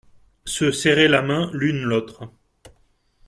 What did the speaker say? Se serrer la main l’une l’autre.